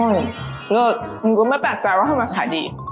เยอะมันแปลกแก่ว่ามันขายดี